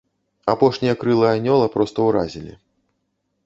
Апошнія крылы анёла проста уразілі.